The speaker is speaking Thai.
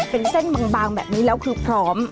เป็นเส้นบางแบบนี้แล้วคือพร้อม